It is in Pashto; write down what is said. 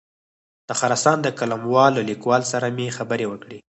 د خراسان د قلموال له لیکوال سره مې خبرې وکړې.